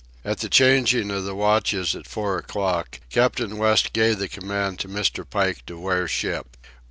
At the changing of the watches at four o'clock, Captain West gave the command to Mr. Pike to wear ship.